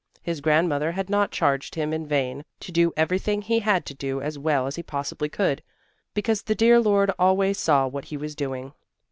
His grandmother had not charged him in vain to do everything he had to do as well as he possibly could, because the dear Lord always saw what he was doing.